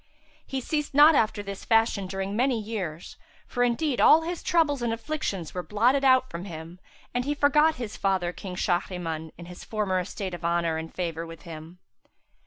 He ceased not after this fashion during many years, for indeed all his troubles and afflictions were blotted out from him and he forgot his father King Shahriman and his former estate of honour and favour with him.